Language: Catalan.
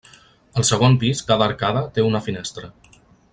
Al segon pis cada arcada té una finestra.